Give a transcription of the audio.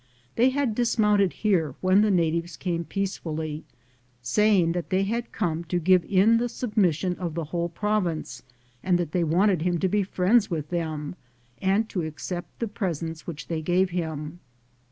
They had dismounted here when the natives came peacefully, saying that they had come to give in the submission of the whole province and that they wanted him to be friends with then! and to accept the presents which they gave him.